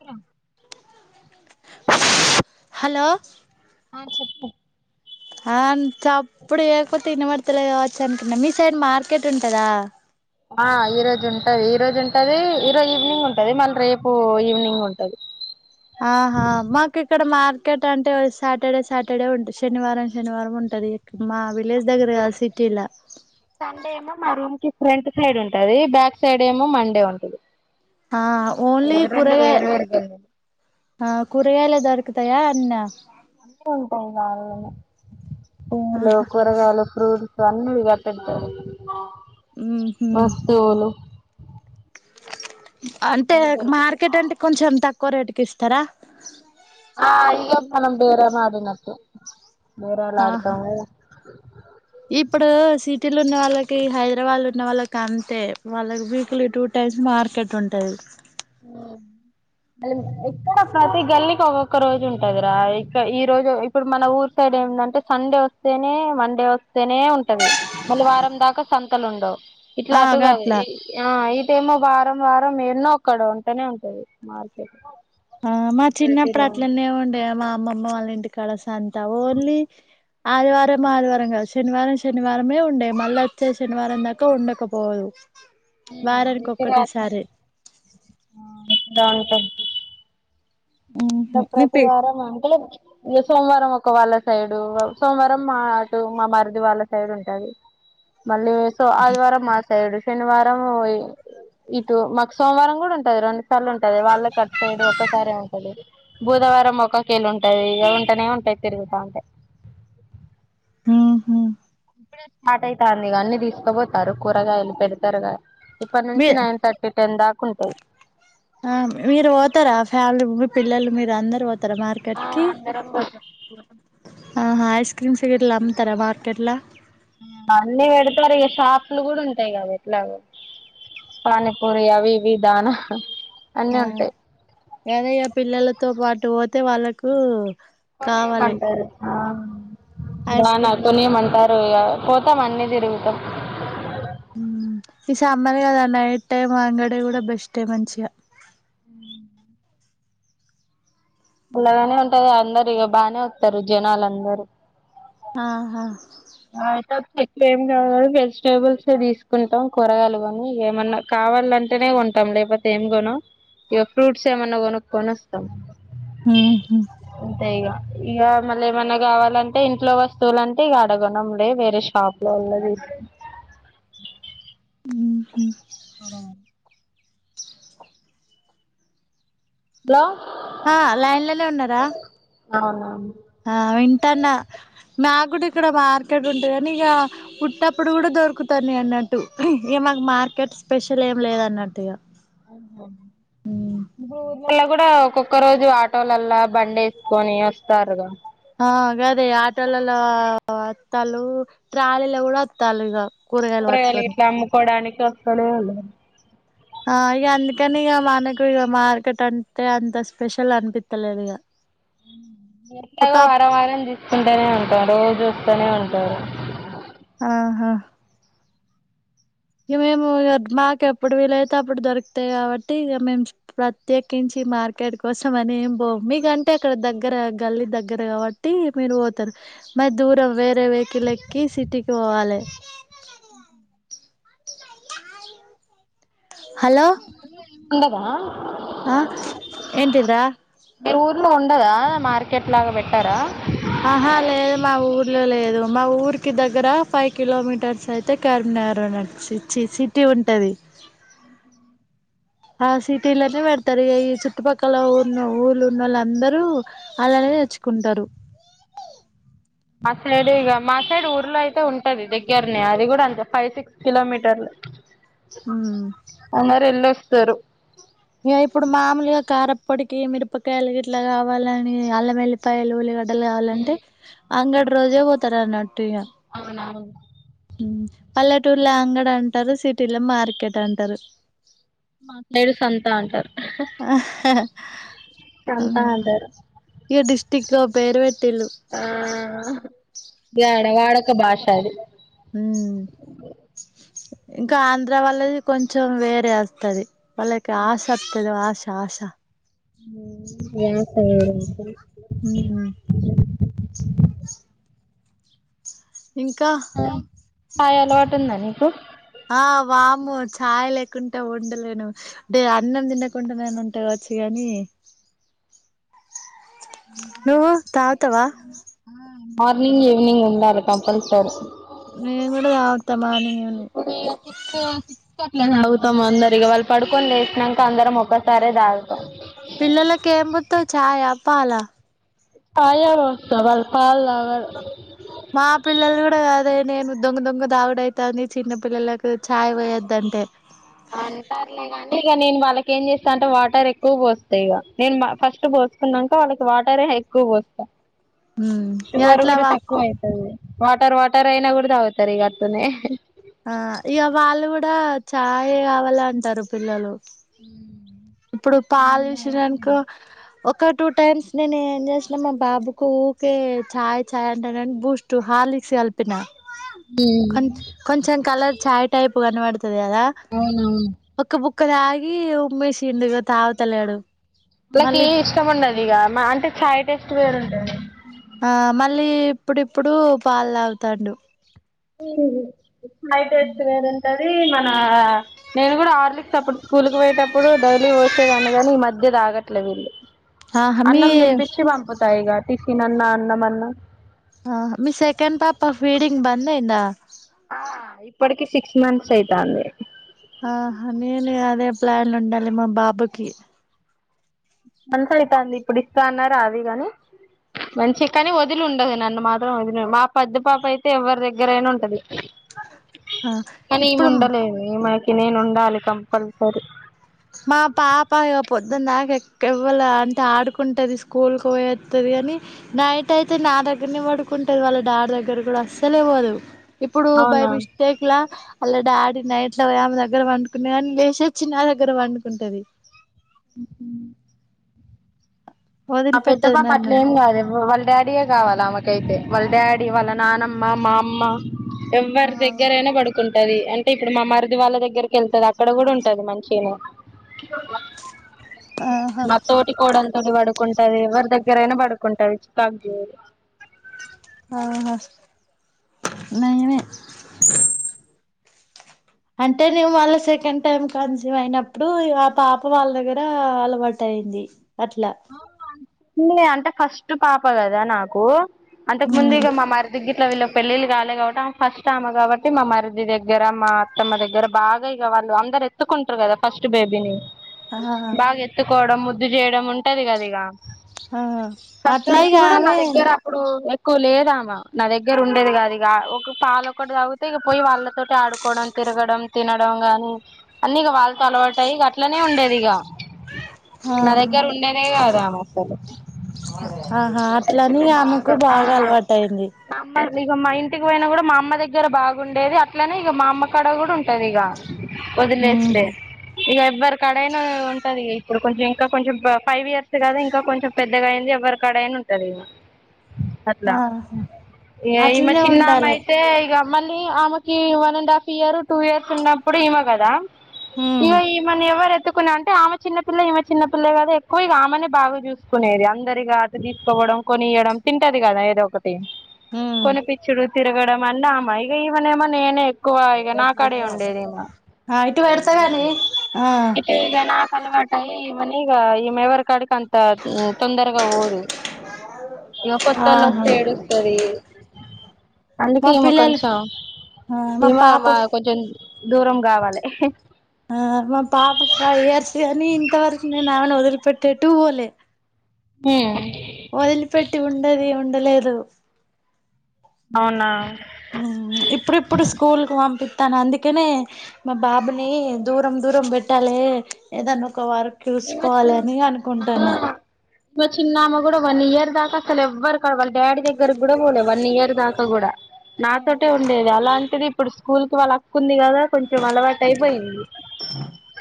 అ [unintelligible] hello ఆ చెప్పు ఆ చప్పుడు చేయకపోతే ఇనబడుతలేదు కావచ్చు అంటున్న మీ సైడ్ మార్కెట్ ఉంటదా ఆ ఈ రోజు ఉంటది ఈ రోజు ఉంటది ఈరోజు ఈవినింగ్ ఉంటది మళ్ళీ రేపు ఈవినింగ్ ఉంటది ఆహా మార్కెట్ ఇక్కడ మార్కెట్ అంటే సాటర్డే సాటర్డే ఉంటది, శనివారం శనివారం ఉంటాది మా విలేజ్ దగ్గర కాదు సిటీలొ సండే ఏమో మా రూమ్ కి ఫ్రంట్ సైడ్ ఉంటది బ్యాక్ సైడ్ ఏమో మండే ఉంటది ఆ ఓన్లీ రెండు కూరగ వేరు వేరు గల్లీలు కూరగాయాల దొ దయా అన్న తెమంట వాళ్ళనే పూలు ఆహా కూరగాయలు ప్రూట్స్ అన్ని గప్పేడతారు ఉ హ్మ్ అంటే మార్కెట్ అంటే కొంచెం తక్కువ రేటు పిస్తరా ఆ ఇగా మనం బేర మాడినట్టు ఆహా ఇప్పుడు సిటీలో ఉన్న వాళ్ళ హైదరాబాద్ ఉన్న వాళ్ళకి అంతే వాళ్ళకి వీక్లీ టూ టైమ్స్ మార్కెట్ ఉంటది మళ్ ఇక్కడ ప్రతి గల్లీకి ఒక్కొక్క రోజు ఉంటదిరా ఇక్క ఈ రోజు ఇప్పుడు మన ఊరు సైడ్ ఏందంటే సండే వస్తేనే మండే వస్తేనే ఉంటది మళ్ళీ వారం దాకా సంతలు ఉండవు ఇట్లా ఆ అటు కాదు గట్లా ఆ ఇ సేమో వారం వారం ఎన్నో అక్కడ ఉంటనే ఉంటది మార్కెట్ ఆ మా చిన్నప్పుడు అట్లనే ఏమి ఉండయా మా అమ్మమ్మ వాళ్ళ ఇంటికి కళస సంతవ ఓన్లీ ఆదివారం ఆదివారం కాదు శనివారం శనివారమే ఉండే మళ్ళీ వచ్చే శనివారం దాకా ఉండకపోదు వారానికి ఒక్కటేసారి దా ఉంటడి ఉహు ఇ మీ ప్రతి పే వారం అంటే లైక్ ఇ సోమవారం ఒక వాళ్ళ సైడు సోమవారం మా అటు మా మరిది వాళ్ళ సైడ్ ఉంటుది మళ్ళీ సో ఆది వారా మా సైడు శనివారం ఇటు మాకు సోమవారం కూడా ఉంటది రెండు సార్లు ఉంటది వాళ్ళ కట్ సైడ్ ఒకసారే బుధవారం ఒక్కొకెళ్ళ ఉంటది ఇగా ఉంటేనే ఉంటాయి తిరుగుతా ఉంటే ఉమ్ హు ఇప్పుడే స్టార్ట్ అవుతంది ఇగ అన్ని తీసుకపోతారు కూరగాయలు పెడతారు ఇప్పటి మీ నుంచి నైన్ థర్టీ టెన్ దాకా ఉంటాయి ఆ మీరు పోతారా ఫ్యామిలీ మీ పిల్లలు మీరు అందరుూ పోతారు మార్కెట్ కి ఆహా ఐస్ క్రీమ్స్ టికెట్లు అమ్ముతారా మార్కెట్లో అన్ని పెడతారు ఇక షాపులు కూడా ఉంటాయి కదా ఎట్లా పానీపూరి అవి ఇవి దానా అన్నీ ఆ ఉంటాయి ఎద పిల్లలు తో పాటు పోతే వాళ్ళకు కావాలి కొనీమంటారు ఆ ఐస్ బానా క్రీమ్ లా కొనీయమంటారు పోతాం అన్నీ తిరుగుతాం ఈ సమ్మర్ గదా నైట్ టైం అంగడి కూడా బెస్టే మంచిగా ఇలానే ఉంటది అందరు ఇక బానే వత్తారు జనాలు అందరూ ఆహా యితే ఎట్లా ఏం కావదు వెజిటేబుల్స్ తీసుకుంటాం కూరగాలు కొని ఏమన్నా కావాలంటేనే కొంటాం లేకపోతే ఏం కొన ఇగ ఫ్రూట్స్ ఏమన్నా కొనుకొని వస్తాం అంతే ఇగ ఇక మళ్ళీ ఏమన్నా కావాలంటే ఇంట్లో వస్తువులు అంటే క అడగనంలే వేరే షాప్ లో వాలది తీస్ ఊహూ హలో హలో ఆ లైన్లనే ఉన్నారా అవునవును ఆ వింటాన్న మాక్కూడ ఇక్కడ మార్కెట్ ఉంటుంది కానీ ఇక వుట్టప్పుడు కూడా దొరుకుతనయి అన్నట్టు ఇక మాకు మార్కెట్ స్పెషల్ ఏమి లేదున్నట్టు ఇక బూరి ల్లా కూడా ఒక్కొక్క రోజు ఆటోలల్లా బండి వేసుకొని వస్తారుగా ఆ గదే ఆటోలలో వత్తాలు ట్రాలీలలో కూడా వత్తాలు ఇగ కూరగాయలు ఇట్లా అమ్ముకోడాని ఒక్కడే ఉన్న ఆ ఇక అందుకని ఇక మనకు ఇక మార్కెట్ అంటే అంత స్పెషల్ అనిపిత్తలేదు ఇగ ఎట్లాగా వారం వారం చూసుకుంటూనే ఉంటాం రోజూ వస్తూనే ఉం తారు ఆహా ఇక మేము మాకు ఎప్పుడు వీలైతే అప్పుడు దొరుకుతాయి కాబట్టి ఇక మేము ప్రత్యేకించి మార్కెట్కి కోసమని ఏం పోం మీకంటే అక్కడ దగ్గర గల్లీ దగ్గర కాబట్టి మీరు పోతారు మరి దూరం వేరే వెహికల్ ఎక్కి సిటీకి పోవాలె హలో ఉండదా ఆ ఏంటిరా ఊరిలో ఉండదా మార్కెట్ లాగా పెట్టారా ఆహా లేదు మా ఊర్లో లేదు మా ఊరికి దగ్గర ఫైవ్ కిలోమీటర్స్ అయితే కరీంనగర్ ఈ చ్చిచ్చి సిటీ ఉంటది ఆ సిటీలోనే పెడతారు ఏం ఈ చుట్టుపక్కల ఉన్న ఊళ్ళ ఉన్నోళ్ళు అందరూ అలానే తెచ్చుకుంటారు. మా సైడ్ ఇక మా సైడ్ ఊర్లో అయితే ఉంటది దగ్గరనే అది కూడా అంతే ఫైవ్ సిక్స్ కిలోమీటర్లే హ్మ్ సరు ఇగ ఇప్పుడు మామూలుగా కారప్పొడికి మిరపకాయలు గిట్లా కావాలని అల్ల వెల్లిపాయలు ఉల్లిగడ్డ [unintelligible] వాలంటే అంగడి రోజే పోతారు అన్నట్టు ఇగ అవునవును పల్లెటూర్లో అంగడంటారు సిటీలో మార్కెట్ అంటారు మాట్లాడు సంత అంటారు తంతా అంటారు ఈ డిస్టక్ పేరువెట్ టిల్లు వ్యాడ వాడక భాష అది మ్మ్ ఇంకా ఆంధ్ర వాళ్ళది కొంచెం వేరే వస్తుది వాళ్ళకి ఆశ వస్తుంది ఆశ ఆశ యా సమేరు అక్క మ్మ్ ఇంకా కాయ అలవాటు ఉందా నీకు ఆ వామ్మో చాయ్ లేకుంటే ఉండలేను అంటే అన్నం తినకుండా నేను ఉంటావచ్చు కానీ నువ్ తాగుతావా మార్నింగ్ ఈవినింగ్ ఉండాలి కంపల్సరీ నేను కూడా తాగుతా మానింగ్ అని తాగుతం అందరి వాళ్ళు పడుకొని లేసినంక అందరం ఒక్కసారే తాగు పిల్లలకి ఎమ్బోత్తావ్ ఛాయ పాల చాయే పోస్త వాళ్ళు పాలు తాగరు మా పిల్లలు కూడా కాదే నేను దొంగ దొంగ దావుడైతంది చిన్న పిల్లలకు ఛాయ్ పొయ్యద్దంటే అంటారులేగానీ ఇక నేను వాళ్ళకి ఏం చేస్తా అంటే వాటర్ ఎక్కువ పోస్తాయిగ నేను ఫస్ట్ పోసుకున్నాక వాళ్ళకి వాటరే ఎక్కువ పోస్తా హ్మ్ ఇగ షుగర్ అట్లా కూడా వా తక్కువ అయితుంది వాటర్ వాటర్ అయినా కూడ తాగుతారు ఇగ అట్లనే ఆ ఇక వాళ్ళు కూడా చాయే కావాలంటారు పిల్లలు మ్మ్ ఇప్పుడు పాలు చూసిర్రనుకో ఒక టూ టైమ్స్ నేను ఏం చేసినా మా బాబుకు ఊరికే చాయ్ చాయ్ అంటేనని బూస్ట్ హార్లిక్స్ కలిపిన కొ కొంచంచం కాలర్ చాయ్ టైప్ పువర్ణవడుతు తది కదా క్క తాగి ఉమ్మేసి తిండుగా తాగుతలేడు వాళ్ళకి మళ్ళీ ఇష్టం ఉండది ఇగ మ అంటే చాయ్ టెస్ట్ వేరుంటది ఆ మళ్ళీ ఇప్పుడిప్పుడు పాలు తాగుతండు అయితే ఇస్త [unintelligible] అది మన నేను గుడా ఆర్లిక్స్ అప్పుడు స్కూల్కి పోయేటప్పుడు డైలీ పోసేదాన్ని గని ఈ మధ్య తాగట్లేదు వీళ్ళు ఆహా మీ ఇగ టిఫిన్ అన్నా అన్నమన్నా ఆ మీ సెకండ్ పాప ఫీడింగ్ బందైందా ఆ ఇప్పటికి సిక్స్ మంత్స్ అయితంది ఆహా నేనే అదే ప్లాన్ ఉండాలి మా బాబుకి మంచి అవుతుంది ఇప్పుడు ఇస్తా అన్నా రాదు అది కాని మంచి కాని వదిలి ఉండదు నన్ను మాత్రం వదిలి మా పెద్ద పాప అయితే ఎవరి దగ్గర అయినా ఉంటది ఆ కానీ ఈ ఇప్పుడు ముండలేదు ఏమైన్ నేను ఉండాలి కంపల్సరీ మా పాప ఇగ పొద్దన్ దాకా ఎక్కెవ అంటే ఆడుకుంటది స్కూల్కి పోయస్తది గని నైట్ అయితే నా దగ్గరనే పడుకుంటది వాళ్ళ డాడి దగ్గర కూడా అస్సలే పోదు. ఇప్పుడు బై అవునా మిస్టేక్లా వాళ్ళ డాడీ నైట్ల పోయి ఆమె దగ్గర పండుకున్న కానీ లేసి వచ్చి నా ద గ్గర పండుకుంటది. మా పెద్ద వదిలిపెట్టదు పాప నన్ను అట్లేం కాదు వాళ్ళ డాడీయే కావాలి ఆమెకైతే వాళ్ళ డాడి వాళ్ళ నానమ్మ, మా అమ్మ ఎవర్ ఆ దగ్గరైనా పడుకుం టది అంటే ఇప్పుడు మా మర్ది వాళ్ళ దగ్గర్కి వెళ్తది అక్కడ కూడా ఉంటది మంచిగానే ఆహా మత్తోటి కోడల్ విడువడు కుంటది. ఎవర్ దగ్గరైనా పడుకుంటది చికాకు చేయది. ఆహా నయమే అంటే నేన్ మళ్ళ సెకండ్ టైమ్ కాన్సివ్ అయినప్పుడు ఆ పాప వాళ్ళ దగ్గర అలవాటైంది అట్లా అంటే ఫస్ట్ పాప కదా నాకు అంతకు ముందు ఉమ్ ఇగ మా మర్దికి గ్గిట్ల వీ పెళ్ళిళ్ళు కాలే కాబట్టి ఆమె ఫస్ట్ ఆమె కాబట్టి మా మరిది దగ్గర మా అత్తమ్మ దగ్గర బాగా ఇగ వాళ్ళు అందరు ఎత్తుకుంటారు కదా ఫస్ట్ బేబీని ఆ బాగా ఎత్తుకోవడం ము ద్దు చేయడం ము టది కదిగా ఆ అట్ల ఇగ ఆమె కు లేదామ నా దగ్గర ఉండేది కాదు ఇగ ఒక పాలు ఒకటి తాగితే ఇగ పోయి వాళ్ళతోటి ఆడుకోవడం తిరగడం తినడం గాని అన్ని ఇగ వాళ్ళతో అలవాటై ఇగ అట్లనే ఉండేది ఇగ ఆహ అసలు ఆహా అట్లని ఆమెకు బాగా అలవాటైంది. ఇగ మా ఇంటిక్ పోయినా కూడా మా అమ్మ దగ్గర బాగుండేది అట్లనే ఇగ మా అమ్మ కాడ కూడా ఉంటది ఇగ వదిలేస్తే ఇగ ఎప్ ఎవ్వర్కడైనా ఉంటది ఇగ ఇప్పుడు కొంచం ఇంకా కొంచం ఫైవ్ ఇయర్స్ కదా ఇంకా కొంచం పెద్దగైంది ఎవ్వరికడైన ఉంటది ఇగ అట్లా ఆహా ఈ ఇమ అట్లనే ఉండాలి చిన్నమైతే ఇగ మళ్ళీ ఆమెకి one and half year two years ఉన్నప్పుడు ఈమెగదా ఉమ్ ఇగ ఈమని ఎవరెత్తుకున్నామం [unintelligible] టే ఆమె చిన్నపిల్ల ఈమె చిన్నపిల్ల గదా కొ ఇగ ఆమెనే బాగా జూస్కునేది అందరిగా అటు తీసుకోడం కొనీయడం తింటది గద ఏదో ఒకటి ఉమ్ [inaudible] కొని పిచ్చురు తిరగడం అన్నామ ఇగ ఇమనేమో నేనే ఎత్ ఎక్కువ ఇగ నాకాడే ఉండేది ఈమ ఆ ఇటు పెడతా గాని ఆ కనీ ఇగ ఆ మెవర్కడికి అంత తొందర్గ పోదు ఇగ ఆహా కొత్తోల్లొస్తే ఏడుస్తది మా అందుకీమ పిల్లలు కొంచెం ఆ ఈమా పాప మా కొంచెం దూరం గావలె ఇహ్హే ఆ మ పాప ఫైవ్ ఇయర్స గని ఇంతవరక్ నేన్ ఆమెన్ వదిలిపెట్టేటూ వోలే హామ్ [inaudible] అవునా ఆహ్మ్ ఇప్పుడిప్పుడు స్కూల్ కు పంపిచ [unintelligible] తనందికనే అందుకనే మా బాబుని దూరం దూరం పెట్టాలి ఏదన్నా ఒక వారు చూస్కోవాలనీ అనుకుంటన మ చిన్నామ గుడ వన్ ఇయర్ దాక అసల్ ఎవ్వర్ కాడ వాళ్ళ డాడి దగ్గరకిగుడ వోలే వన్ ఇయర్ దాక గుడ నాతోటే ఉండేది అలాంటిది ఇప్పుడు స్కూ స్కూల్ కి వాళ్ళ అక్కుంది కదా కొంచెం అలవాటు అయిపోయింది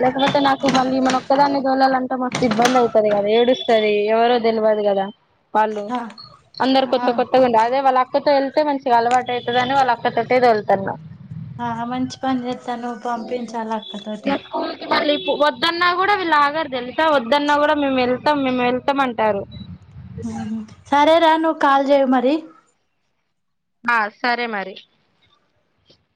లేకపోతే నాకు మళ్ళీ మన ఒక్కదాన్ని గల అంట మస్తు ఇబ్బంది అవుతది కదా ఏడుస్తది ఎవరు తెలవదు కదా వాళ్ళు ఆ అందరు ఆ కొత్త కొత్తగా ఉండే అదే వాళ్ళ అక్కతో వెళ్ళితే మంచిగా అలవాటు అవుతది అని వాళ్ళు అక్కతోటే వెళ్తున్నా ఆ మంచి పని చేస్తా నువ్వు పంపించాలి అక్కతోటి ఇక స్కూల్ కి మళ్ళీ వద్దన్నా కూడా వీళ్ళు ఆ గారు తెలుసా వద్దన్నా కూడా మేము వెళ్తాం మేము వెళ్తాం అంటారు ఉహుమ్ సారే రాను కాల్ చేయు మరి ఆ సరే మరి